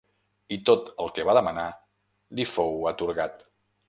I tot el que va demanar li fou atorgat.